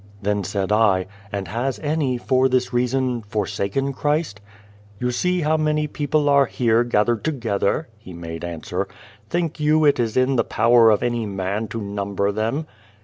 Then said I, " And has any, for this reason, forsaken Christ ?" "You see how many people are here gathered together ?" he made answer. " Think you it is in the power of any man to number them